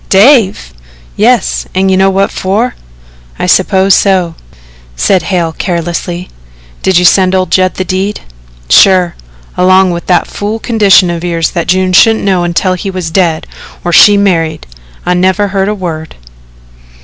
"Dave!" "Yes, an' you know what for." "I suppose so," said Hale carelessly. "Did you send old Judd the deed?" "Sure along with that fool condition of yours that June shouldn't know until he was dead or she married. I've never heard a word."